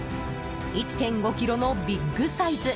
１．５ｋｇのビッグサイズ